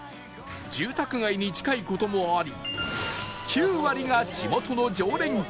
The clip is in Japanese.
住宅街に近い事もあり９割が地元の常連客